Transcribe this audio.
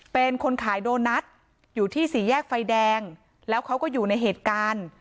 เป็นคนขายโดนัทอยู่ที่สี่แยกไฟแดงแล้วเขาก็อยู่ในเหตุการณ์